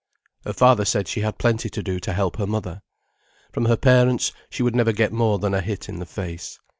Her father said she had plenty to do to help her mother. From her parents she would never get more than a hit in the face.